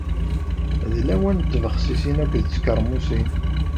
D lawan n tbexsisin akked tkermusin.